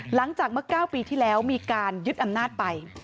หลังจากเมื่อ๙ปีที่แล้วมีการยึดอำนาจไป